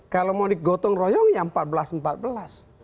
kalau mau digotong royong ya empat belas empat belas